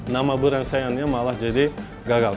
nama berhasilannya malah jadi gagal